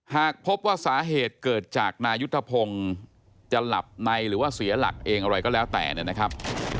หากพบว่าสาเหตุเกิดจากนายุทธพงศ์จะหลับในหรือว่าเสียหลักเองอะไรก็แล้วแต่เนี่ยนะครับ